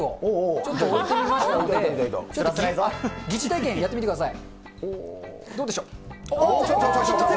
ちょっと疑似体験やってみてください。